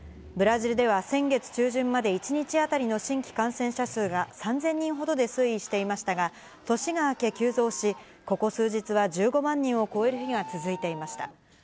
ブラジルでは先月中旬まで、１日当たりの新規感染者数が３０００人ほどで推移していましたが、年が明け急増し、ここ数日は１５万人を超える日が続いていました。